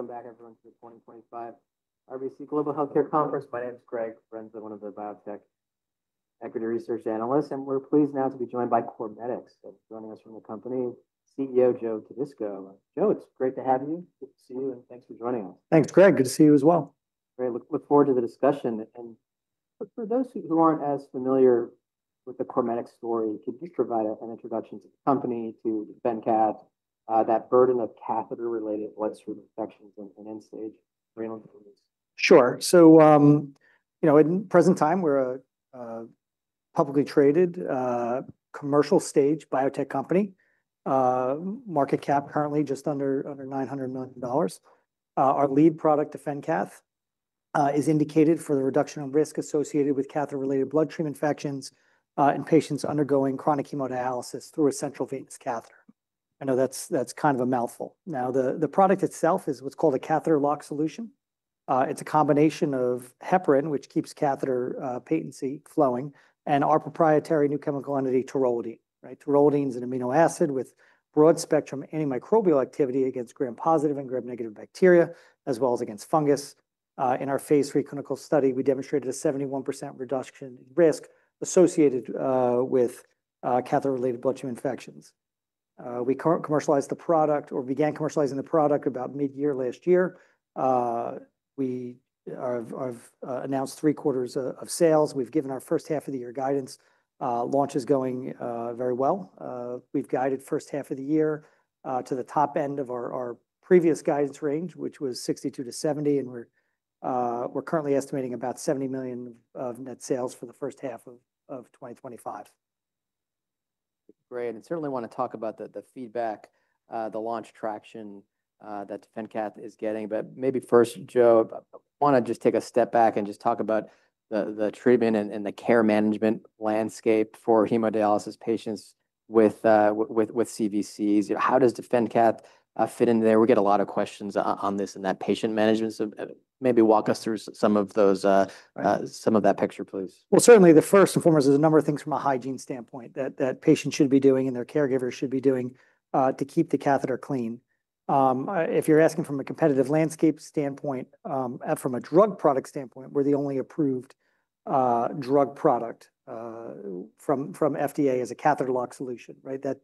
Welcome back, everyone, to the 2025 RBC Global Healthcare Conference. My name is Greg Renza, one of the biotech equity research analysts, and we're pleased now to be joined by CorMedix, joining us from the company, CEO Joe Todisco. Joe, it's great to have you. Good to see you, and thanks for joining us. Thanks, Greg. Good to see you as well. Great. Look forward to the discussion. For those who aren't as familiar with the CorMedix story, could you provide an introduction to the company, to DefenCath, that burden of catheter-related bloodstream infections and end-stage renal disease? Sure. So, you know, at present time, we're a publicly traded, commercial-stage biotech company. Market cap currently just under $900 million. Our lead product, DefenCath, is indicated for the reduction of risk associated with catheter-related bloodstream infections in patients undergoing chronic hemodialysis through a central venous catheter. I know that's kind of a mouthful. Now, the product itself is what's called a catheter lock solution. It's a combination of heparin, which keeps catheter patency flowing, and our proprietary new chemical entity, taurolidine. Taurolidine is an amino acid with broad-spectrum antimicrobial activity against gram-positive and gram-negative bacteria, as well as against fungus. In our phase three clinical study, we demonstrated a 71% reduction in risk associated with catheter-related bloodstream infections. We commercialized the product or began commercializing the product about mid-year last year. We have announced three quarters of sales. We've given our first half of the year guidance. Launch is going very well. We've guided first half of the year to the top end of our previous guidance range, which was $62 million-$70 million, and we're currently estimating about $70 million of net sales for the first half of 2025. Great. I certainly want to talk about the feedback, the launch traction that DefenCath is getting. Maybe first, Joe, I want to just take a step back and just talk about the treatment and the care management landscape for hemodialysis patients with CVCs. How does the DefenCath fit in there? We get a lot of questions on this and that patient management. Maybe walk us through some of those, some of that picture, please. Certainly, the first and foremost is a number of things from a hygiene standpoint that patients should be doing and their caregivers should be doing to keep the catheter clean. If you're asking from a competitive landscape standpoint, from a drug product standpoint, we're the only approved drug product from FDA as a catheter lock solution, right, that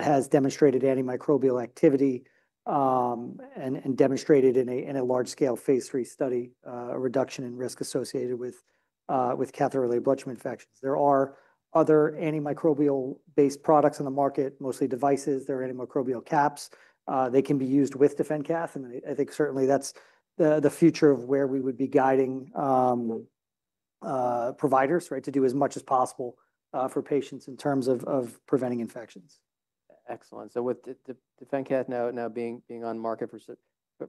has demonstrated antimicrobial activity and demonstrated in a large-scale phase three study a reduction in risk associated with catheter-related bloodstream infections. There are other antimicrobial-based products on the market, mostly devices. There are antimicrobial caps. They can be used with DefenCath. I think certainly that's the future of where we would be guiding providers, right, to do as much as possible for patients in terms of preventing infections. Excellent. With DefenCath now being on the market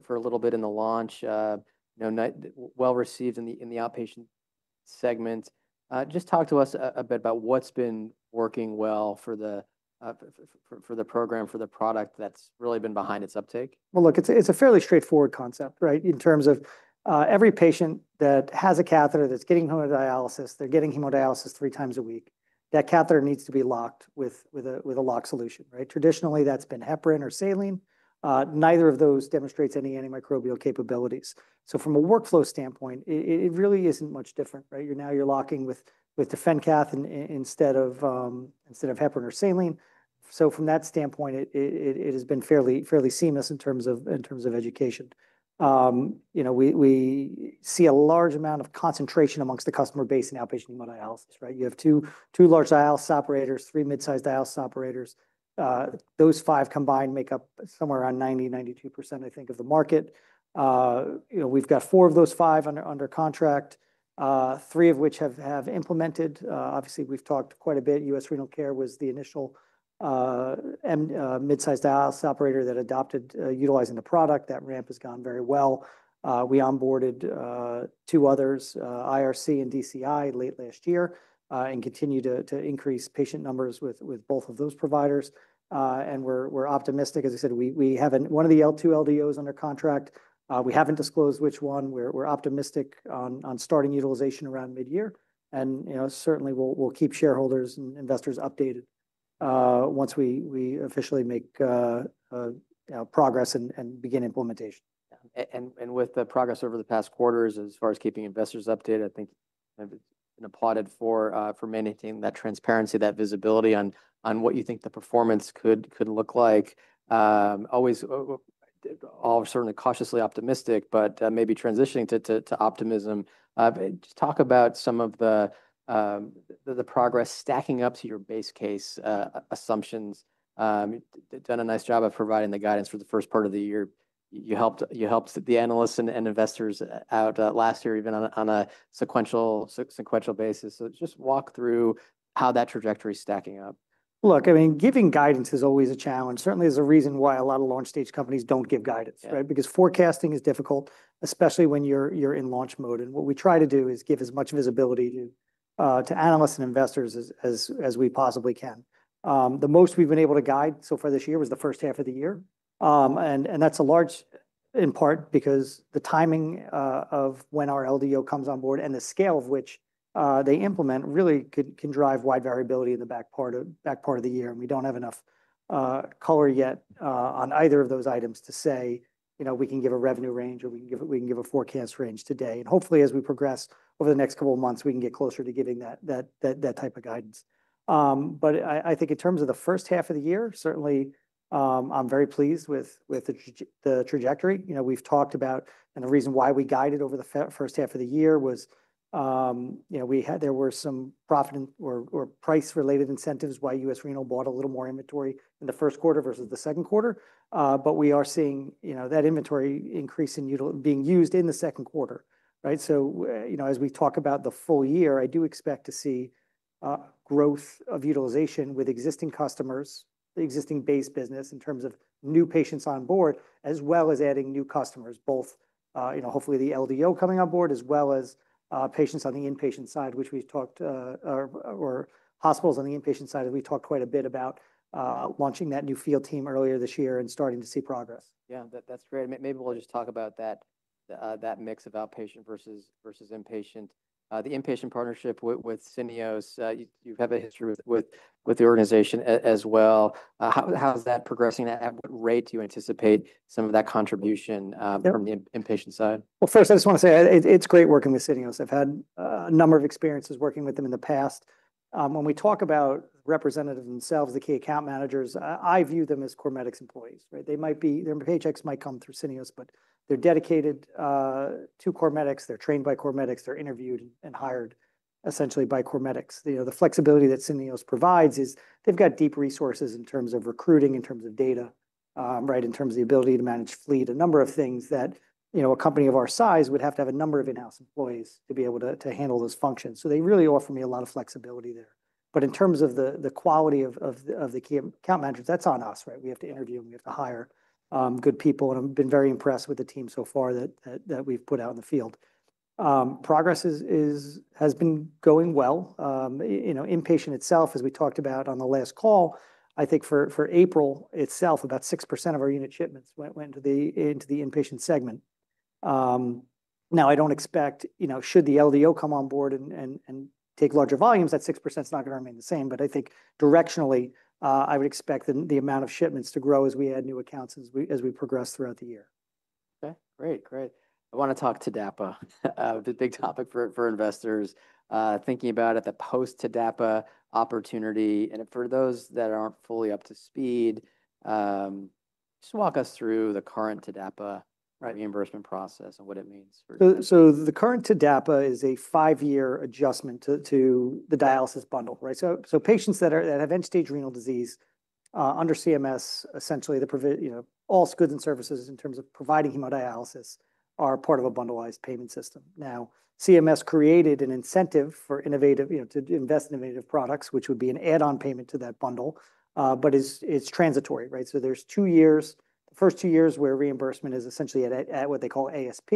for a little bit in the launch, well received in the outpatient segment, just talk to us a bit about what's been working well for the program, for the product that's really been behind its uptake. Look, it's a fairly straightforward concept, right, in terms of every patient that has a catheter that's getting hemodialysis, they're getting hemodialysis three times a week. That catheter needs to be locked with a lock solution, right? Traditionally, that's been heparin or saline. Neither of those demonstrates any antimicrobial capabilities. From a workflow standpoint, it really isn't much different, right? Now you're locking with DefenCath instead of heparin or saline. From that standpoint, it has been fairly seamless in terms of education. You know, we see a large amount of concentration amongst the customer base in outpatient hemodialysis, right? You have two large dialysis operators, three mid-sized dialysis operators. Those five combined make up somewhere around 90%-92%, I think, of the market. We've got four of those five under contract, three of which have implemented. Obviously, we've talked quite a bit. U.S. Renal Care was the initial mid-sized dialysis operator that adopted utilizing the product. That ramp has gone very well. We onboarded two others, IRC and DCI, late last year and continue to increase patient numbers with both of those providers. We are optimistic. As I said, we have one of the LDOs under contract. We have not disclosed which one. We are optimistic on starting utilization around mid-year. We will keep shareholders and investors updated once we officially make progress and begin implementation. With the progress over the past quarters, as far as keeping investors updated, I think it's been applauded for maintaining that transparency, that visibility on what you think the performance could look like. Always, all certainly cautiously optimistic, but maybe transitioning to optimism. Just talk about some of the progress stacking up to your base case assumptions. Done a nice job of providing the guidance for the first part of the year. You helped the analysts and investors out last year, even on a sequential basis. Just walk through how that trajectory is stacking up. Look, I mean, giving guidance is always a challenge. Certainly, there's a reason why a lot of launch stage companies don't give guidance, right? Because forecasting is difficult, especially when you're in launch mode. What we try to do is give as much visibility to analysts and investors as we possibly can. The most we've been able to guide so far this year was the first half of the year. That's a large, in part, because the timing of when our LDO comes on board and the scale of which they implement really can drive wide variability in the back part of the year. We don't have enough color yet on either of those items to say, you know, we can give a revenue range or we can give a forecast range today. Hopefully, as we progress over the next couple of months, we can get closer to giving that type of guidance. I think in terms of the first half of the year, certainly, I'm very pleased with the trajectory. You know, we've talked about, and the reason why we guided over the first half of the year was, you know, there were some profit or price-related incentives why U.S. Renal bought a little more inventory in the first quarter versus the second quarter. We are seeing, you know, that inventory increase in being used in the second quarter, right? You know, as we talk about the full year, I do expect to see growth of utilization with existing customers, the existing base business in terms of new patients on board, as well as adding new customers, both, you know, hopefully the LDO coming on board, as well as patients on the inpatient side, which we talked, or hospitals on the inpatient side. We talked quite a bit about launching that new field team earlier this year and starting to see progress. Yeah, that's great. Maybe we'll just talk about that mix of outpatient versus inpatient. The inpatient partnership with Syneos, you have a history with the organization as well. How's that progressing? At what rate do you anticipate some of that contribution from the inpatient side? First, I just want to say it's great working with Syneos. I've had a number of experiences working with them in the past. When we talk about representatives themselves, the key account managers, I view them as CorMedix employees, right? They might be, their paychecks might come through Syneos, but they're dedicated to CorMedix. They're trained by CorMedix. They're interviewed and hired essentially by CorMedix. You know, the flexibility that Syneos provides is they've got deep resources in terms of recruiting, in terms of data, right, in terms of the ability to manage fleet, a number of things that, you know, a company of our size would have to have a number of in-house employees to be able to handle those functions. They really offer me a lot of flexibility there. In terms of the quality of the key account managers, that's on us, right? We have to interview and we have to hire good people. I've been very impressed with the team so far that we've put out in the field. Progress has been going well. You know, inpatient itself, as we talked about on the last call, I think for April itself, about 6% of our unit shipments went into the inpatient segment. I don't expect, you know, should the LDO come on board and take larger volumes, that 6% is not going to remain the same. I think directionally, I would expect the amount of shipments to grow as we add new accounts as we progress throughout the year. Okay, great, great. I want to talk TDAPA, the big topic for investors thinking about at the post-TDAPA opportunity. And for those that aren't fully up to speed, just walk us through the current TDAPA reimbursement process and what it means for. The current TDAPA is a five-year adjustment to the dialysis bundle, right? Patients that have end-stage renal disease under CMS, essentially, all goods and services in terms of providing hemodialysis are part of a bundled payment system. Now, CMS created an incentive for innovative, you know, to invest in innovative products, which would be an add-on payment to that bundle, but it's transitory, right? There are two years, the first two years where reimbursement is essentially at what they call ASP,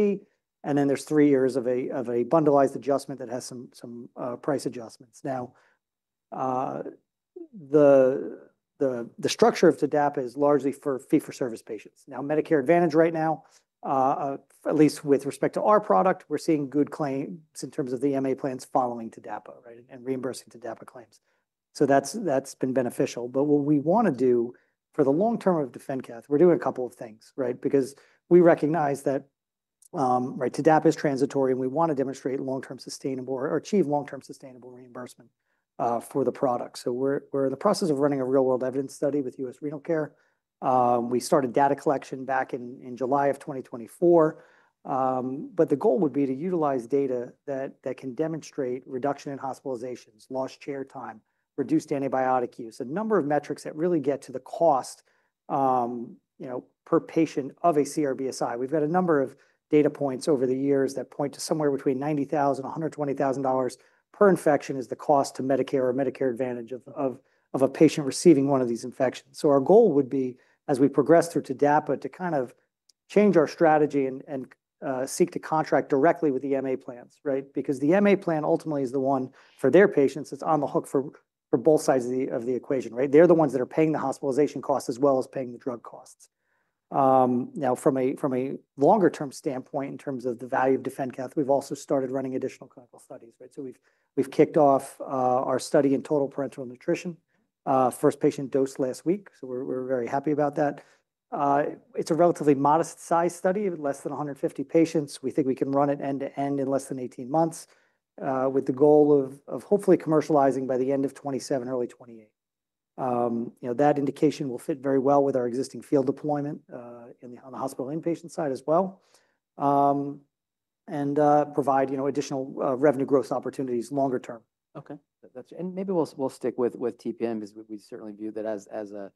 and then there are three years of a bundled adjustment that has some price adjustments. The structure of TDAPA is largely for fee-for-service patients. Medicare Advantage right now, at least with respect to our product, we're seeing good claims in terms of the MA plans following TDAPA, right, and reimbursing TDAPA claims. That's been beneficial. What we want to do for the long term of DefenCath, we're doing a couple of things, right? Because we recognize that, right, TDAPA is transitory and we want to demonstrate long-term sustainable or achieve long-term sustainable reimbursement for the product. We are in the process of running a real-world evidence study with U.S. Renal Care. We started data collection back in July of 2024. The goal would be to utilize data that can demonstrate reduction in hospitalizations, lost chair time, reduced antibiotic use, a number of metrics that really get to the cost, you know, per patient of a CRBSI. We have a number of data points over the years that point to somewhere between $90,000-$120,000 per infection as the cost to Medicare or Medicare Advantage of a patient receiving one of these infections. Our goal would be, as we progress through TDAPA, to kind of change our strategy and seek to contract directly with the MA plans, right? Because the MA plan ultimately is the one for their patients. It's on the hook for both sides of the equation, right? They're the ones that are paying the hospitalization costs as well as paying the drug costs. Now, from a longer-term standpoint, in terms of the value of DefenCath, we've also started running additional clinical studies, right? We've kicked off our study in total parenteral nutrition, first patient dose last week. We're very happy about that. It's a relatively modest-sized study, less than 150 patients. We think we can run it end-to-end in less than 18 months with the goal of hopefully commercializing by the end of 2027, early 2028. You know, that indication will fit very well with our existing field deployment on the hospital inpatient side as well and provide, you know, additional revenue growth opportunities longer term. Okay. Maybe we'll stick with TPN because we certainly view that as a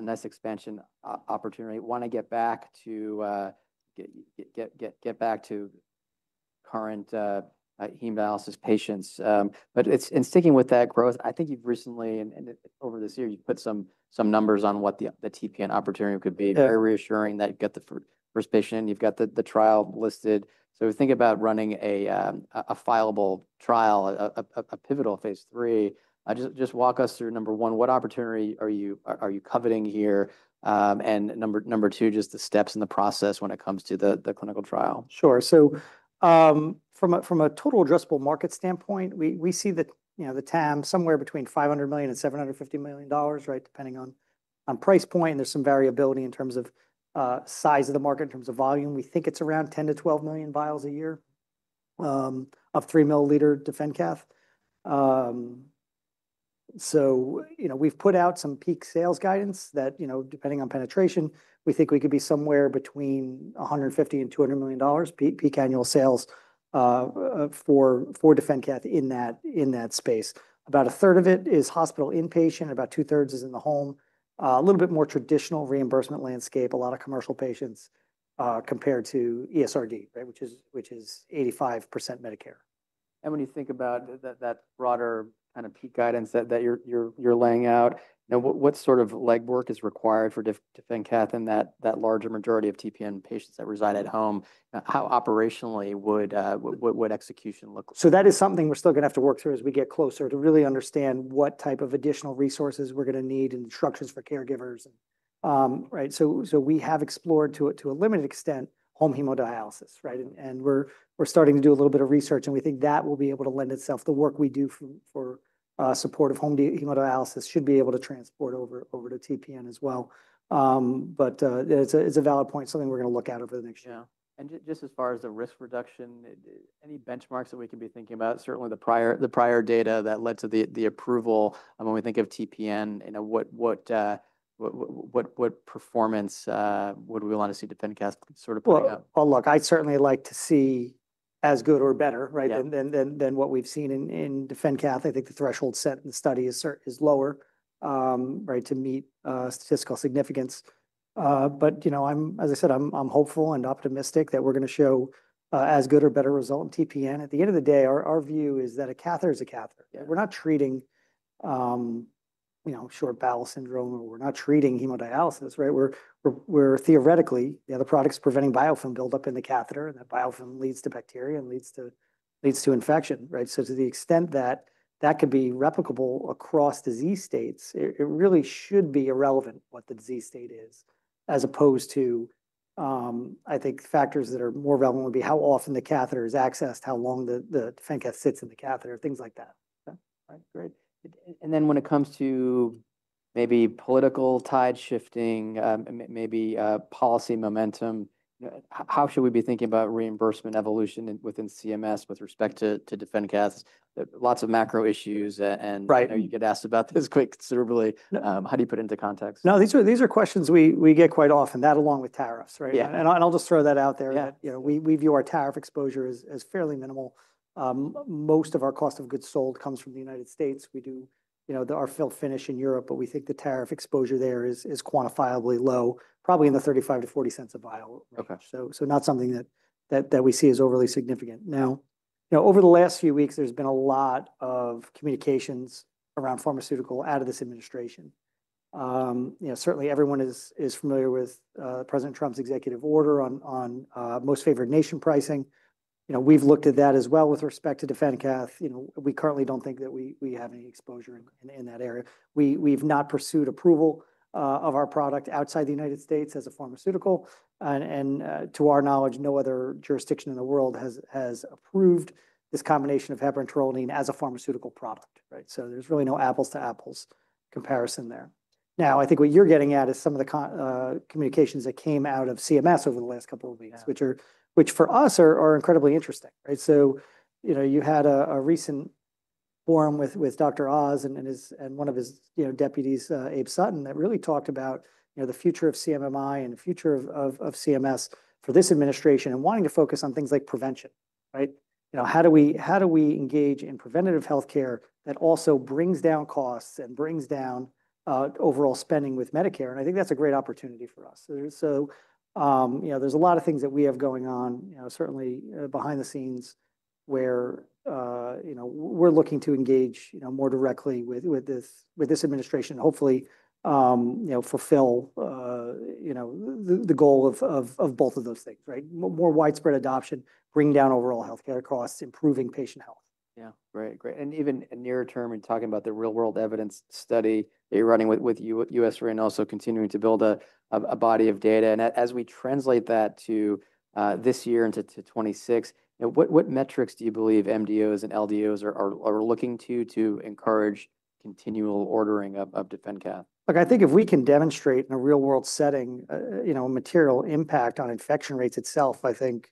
nice expansion opportunity. I want to get back to current hemodialysis patients. In sticking with that growth, I think you've recently, and over this year, you've put some numbers on what the TPN opportunity could be. Very reassuring that you've got the first patient, you've got the trial listed. Think about running a fillable trial, a pivotal phase three. Just walk us through, number one, what opportunity are you coveting here? Number two, just the steps in the process when it comes to the clinical trial. Sure. From a total addressable market standpoint, we see the TAM somewhere between $500 million and $750 million, right, depending on price point. There is some variability in terms of size of the market, in terms of volume. We think it is around 10-12 million vials a year of 3 ml DefenCath. You know, we have put out some peak sales guidance that, you know, depending on penetration, we think we could be somewhere between $150 million and $200 million peak annual sales for DefenCath in that space. About 1/3 of it is hospital inpatient, about 2/3 is in the home. A little bit more traditional reimbursement landscape, a lot of commercial patients compared to ESRD, right, which is 85% Medicare. When you think about that broader kind of peak guidance that you're laying out, what sort of legwork is required for DefenCath in that larger majority of TPN patients that reside at home? How operationally would execution look? That is something we're still going to have to work through as we get closer to really understand what type of additional resources we're going to need and instructions for caregivers, right? We have explored to a limited extent home hemodialysis, right? We're starting to do a little bit of research, and we think that will be able to lend itself. The work we do for support of home hemodialysis should be able to transport over to TPN as well. It is a valid point, something we're going to look at over the next year. Yeah. And just as far as the risk reduction, any benchmarks that we could be thinking about, certainly the prior data that led to the approval when we think of TPN, you know, what performance would we want to see DefenCath sort of put out? I certainly like to see as good or better, right, than what we've seen in the DefenCath. I think the threshold set in the study is lower, right, to meet statistical significance. You know, as I said, I'm hopeful and optimistic that we're going to show as good or better result in TPN. At the end of the day, our view is that a catheter is a catheter. We're not treating, you know, short bowel syndrome, or we're not treating hemodialysis, right? We're theoretically, the other product's preventing biofilm buildup in the catheter, and that biofilm leads to bacteria and leads to infection, right? To the extent that that could be replicable across disease states, it really should be irrelevant what the disease state is, as opposed to, I think, factors that are more relevant would be how often the catheter is accessed, how long the DefenCath sits in the catheter, things like that. Okay. All right, great. And then when it comes to maybe political tide shifting, maybe policy momentum, how should we be thinking about reimbursement evolution within CMS with respect to DefenCath? Lots of macro issues, and you get asked about this quite considerably. How do you put it into context? No, these are questions we get quite often, that along with tariffs, right? I'll just throw that out there that, you know, we view our tariff exposure as fairly minimal. Most of our cost of goods sold comes from the United States. We do, you know, our fill finish in Europe, but we think the tariff exposure there is quantifiably low, probably in the $0.35-$0.40 a vial, right? Not something that we see as overly significant. Now, you know, over the last few weeks, there's been a lot of communications around pharmaceuticals out of this administration. Certainly everyone is familiar with President Trump's executive order on most favored nation pricing. We've looked at that as well with respect to DefenCath. We currently don't think that we have any exposure in that area. We've not pursued approval of our product outside the United States as a pharmaceutical. And to our knowledge, no other jurisdiction in the world has approved this combination of heparin and taurolidine as a pharmaceutical product, right? So there's really no apples-to-apples comparison there. Now, I think what you're getting at is some of the communications that came out of CMS over the last couple of weeks, which for us are incredibly interesting, right? You had a recent forum with Dr. Oz and one of his deputies, Abe Sutton, that really talked about, you know, the future of CMMI and the future of CMS for this administration and wanting to focus on things like prevention, right? You know, how do we engage in preventative healthcare that also brings down costs and brings down overall spending with Medicare? I think that's a great opportunity for us. You know, there's a lot of things that we have going on, you know, certainly behind the scenes where, you know, we're looking to engage, you know, more directly with this administration and hopefully, you know, fulfill, you know, the goal of both of those things, right? More widespread adoption, bringing down overall healthcare costs, improving patient health. Yeah, right, great. Even near term, we're talking about the real-world evidence study that you're running U.S. Renal Care, so continuing to build a body of data. As we translate that to this year into 2026, what metrics do you believe MDOs and LDOs are looking to encourage continual ordering of the DefenCath? Look, I think if we can demonstrate in a real-world setting, you know, material impact on infection rates itself, I think,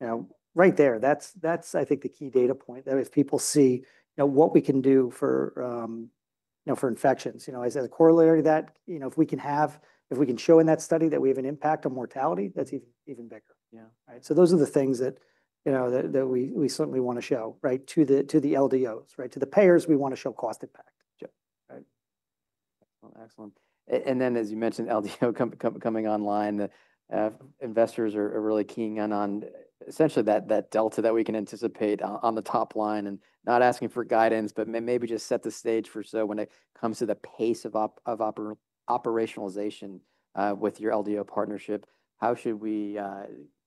you know, right there, that's, I think, the key data point that if people see, you know, what we can do for, you know, for infections, you know, as a corollary to that, you know, if we can have, if we can show in that study that we have an impact on mortality, that's even bigger. Yeah. Right? So those are the things that, you know, that we certainly want to show, right, to the LDOs, right? To the payers, we want to show cost impact. Right. Excellent. As you mentioned, LDO coming online, investors are really keen on essentially that delta that we can anticipate on the top line and not asking for guidance, but maybe just set the stage for so when it comes to the pace of operationalization with your LDO partnership, how should we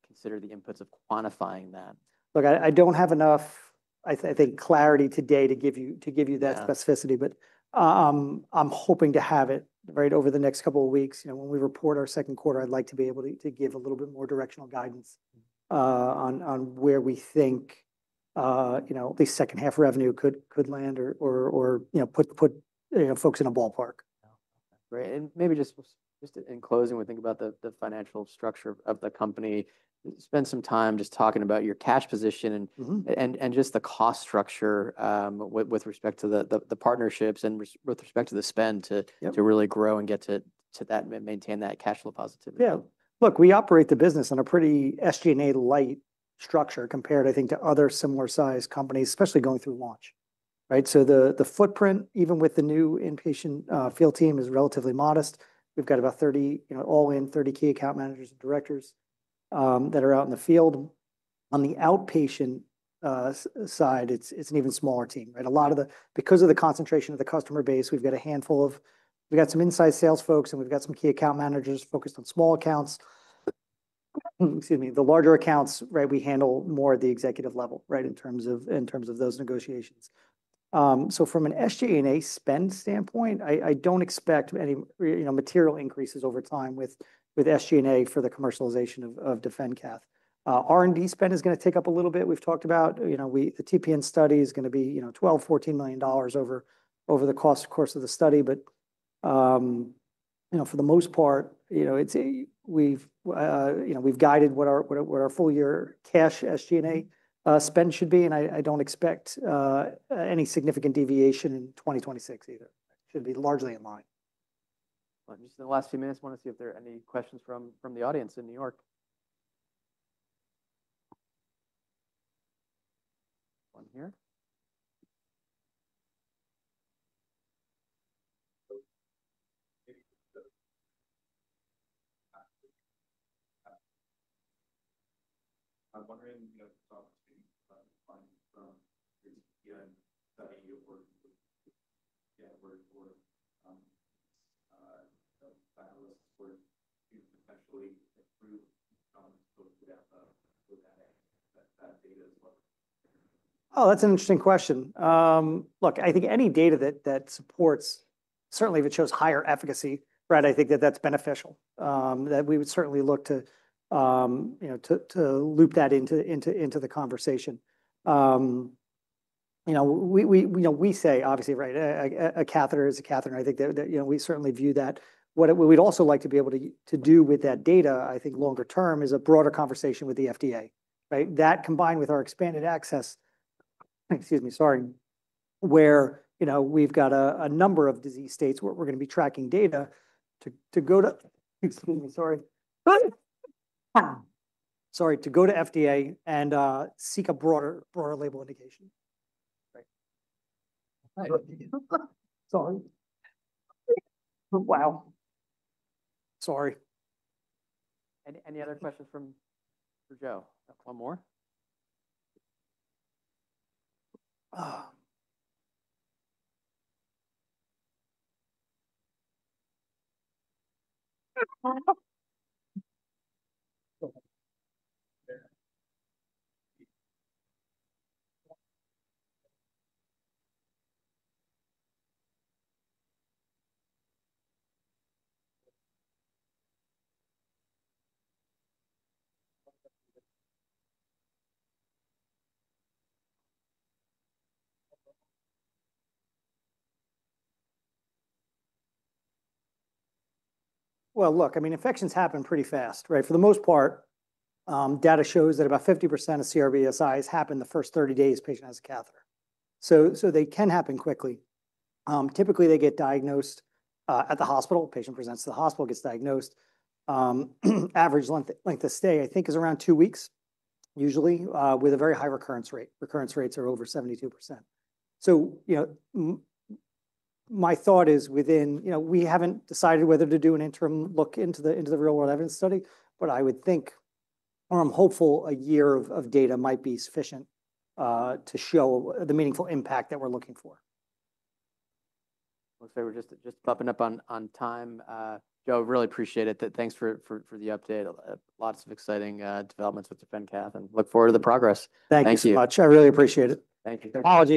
consider the inputs of quantifying that? Look, I don't have enough, I think, clarity today to give you that specificity, but I'm hoping to have it right over the next couple of weeks. You know, when we report our second quarter, I'd like to be able to give a little bit more directional guidance on where we think, you know, the second half revenue could land or, you know, put folks in a ballpark. Great. Maybe just in closing, we think about the financial structure of the company. Spend some time just talking about your cash position and just the cost structure with respect to the partnerships and with respect to the spend to really grow and get to that, maintain that cash flow positivity. Yeah. Look, we operate the business on a pretty SG&A-light structure compared, I think, to other similar-sized companies, especially going through launch, right? The footprint, even with the new inpatient field team, is relatively modest. We've got about 30, you know, all in 30 key account managers and directors that are out in the field. On the outpatient side, it's an even smaller team, right? A lot of the, because of the concentration of the customer base, we've got a handful of, we've got some inside sales folks and we've got some key account managers focused on small accounts. Excuse me, the larger accounts, right, we handle more at the executive level, right, in terms of those negotiations. From an SG&A spend standpoint, I don't expect any, you know, material increases over time with SG&A for the commercialization of DefenCath. R&D spend is going to tick up a little bit. We've talked about, you know, the TPN study is going to be, you know, $12 million-$14 million over the course of the study. But, you know, for the most part, you know, we've, you know, we've guided what our full-year cash SG&A spend should be. I don't expect any significant deviation in 2026 either. It should be largely in line. Just in the last few minutes, want to see if there are any questions from the audience in New York? One here. I'm wondering, you know, from your TPN study, you're working with, yeah, where the dialysis work could potentially improve as opposed to that data as well. Oh, that's an interesting question. Look, I think any data that supports, certainly if it shows higher efficacy, right, I think that that's beneficial. That we would certainly look to, you know, to loop that into the conversation. You know, we say, obviously, right, a catheter is a catheter. I think that, you know, we certainly view that. What we'd also like to be able to do with that data, I think longer term, is a broader conversation with the FDA, right? That combined with our expanded access, excuse me, sorry, where, you know, we've got a number of disease states where we're going to be tracking data to go to, excuse me, sorry. Sorry, to go to FDA and seek a broader label indication. Right. Sorry. Wow. Sorry. Any other questions for Joe? One more? Look, I mean, infections happen pretty fast, right? For the most part, data shows that about 50% of CRBSIs happen the first 30 days the patient has a catheter. They can happen quickly. Typically, they get diagnosed at the hospital. The patient presents to the hospital, gets diagnosed. Average length of stay, I think, is around two weeks, usually, with a very high recurrence rate. Recurrence rates are over 72%. You know, my thought is within, you know, we haven't decided whether to do an interim look into the real-world evidence study, but I would think, or I'm hopeful, a year of data might be sufficient to show the meaningful impact that we're looking for. Looks like we're just bumping up on time. Joe, I really appreciate it. Thanks for the update. Lots of exciting developments with DefenCath, and look forward to the progress. Thank you so much. I really appreciate it. Thank you. All right.